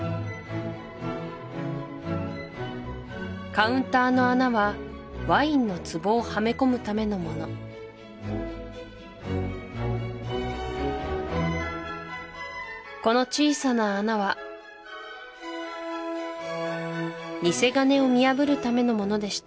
カウンターの穴はワインのつぼをはめこむためのものこの小さな穴は偽金を見破るためのものでした